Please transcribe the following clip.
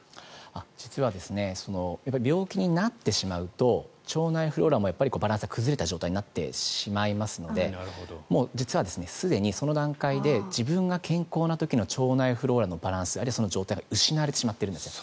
実は病気になってしまうと腸内フローラもバランスは崩れた状態になってしまいますのでもう実は、すでにその段階で自分が健康な時の腸内フローラのバランスあるいは、その状態が失われてしまっているんです。